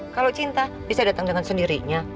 kalau cinta bisa datang dengan sendirinya